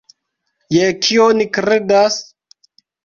Je kio ni kredas?